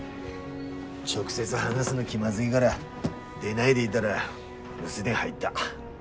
直接話すの気まずいがら出ないでいだら留守電入った。